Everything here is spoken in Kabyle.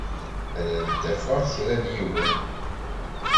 Ad tafeḍ kra n yiwen.